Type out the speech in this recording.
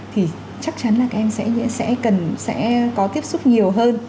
thì chắc chắn là các em sẽ có tiếp xúc nhiều hơn